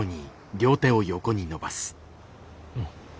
うん。